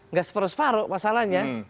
nggak seperus perus masalahnya